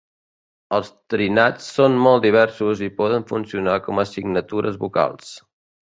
Els trinats són molt diversos i poden funcionar com a signatures vocals.